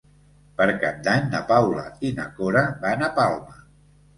Per Cap d'Any na Paula i na Cora van a Palma.